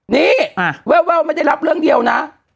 นี่แววไม่ได้รับเรื่องเดียวนะ